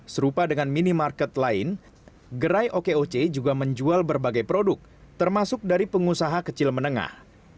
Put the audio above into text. serupa dengan minimarket lain gerai okoc juga menjual berbagai produk termasuk dari pengusaha kecil menengah